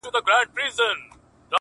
ستا د يوه واري ليدلو جنتې خوندونه”